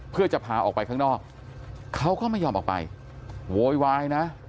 เพื่อจะพาออกไปข้างนอกเขาก็ไม่ยอมออกไปโวยวายนะ